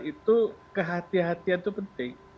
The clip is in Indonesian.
itu kehatian kehatian itu penting